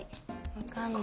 分かんない。